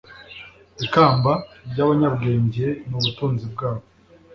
ikamba ry ‘abanyabwenge ni ubutunzi bwabo,